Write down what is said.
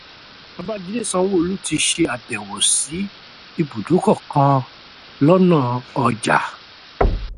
Babájídé Sanwó-Olú ti ṣe abẹ̀wò si ibùdókọ́ kan lọ́nà ọjà